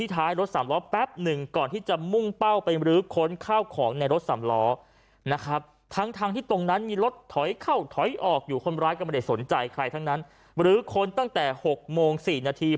ถอยเข้าถอยออกอยู่คนร้ายก็ไม่ได้สนใจใครทั้งนั้นหรือคนตั้งแต่๖โมง๔นาที